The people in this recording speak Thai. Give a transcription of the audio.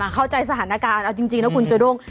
เข้าใจสถานการณ์เอาจริงนะคุณเจอด้ง